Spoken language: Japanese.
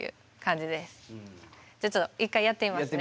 じゃあちょっと１回やってみますね。